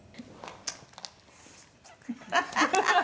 「ハハハハ！